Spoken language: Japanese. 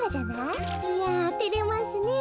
いやてれますねえ。